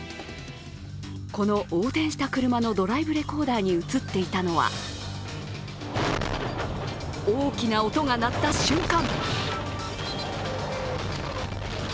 この横転した車のドライブレコーダーに映っていたのは大きな音が鳴った瞬間！